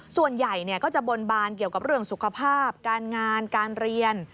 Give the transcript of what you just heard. ส่วนใหญ่ก็จะบนบานเกี่ยวกับเรื่องสุขภาพการงานการเรียน